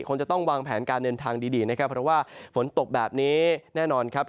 คงจะต้องวางแผนการเดินทางดีนะครับเพราะว่าฝนตกแบบนี้แน่นอนครับ